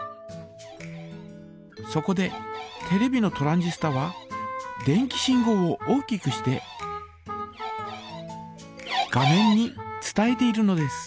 そこでテレビのトランジスタは電気信号を大きくして画面に伝えているのです。